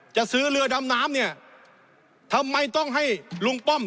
จะซื้อเรือดำน้ำเนี่ยทำไมต้องให้ลุงป้อม